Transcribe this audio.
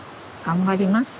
頑張ります。